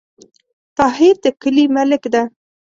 طاهر د کلې ملک ده